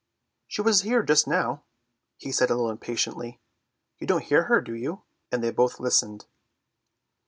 "She was here just now," he said a little impatiently. "You don't hear her, do you?" and they both listened.